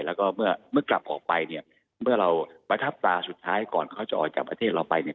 แล้วก็เมื่อกลับออกไปเนี่ยเมื่อเราประทับตาสุดท้ายก่อนเขาจะออกจากประเทศเราไปเนี่ย